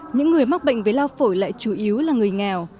những người mắc bệnh về lao phổi lại chủ yếu là người nghèo